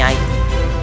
aku memaksakan nyari